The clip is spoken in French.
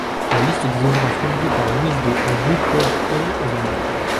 La liste des ouvrages publiés par Luis de Albuquerque est longue.